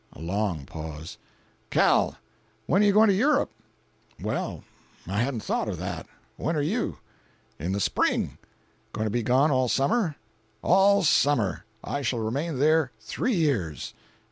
A long pause. "Cal., when are you going to Europe?" "Well—I hadn't thought of that. When are you?" "In the Spring." "Going to be gone all summer?" "All summer! I shall remain there three years."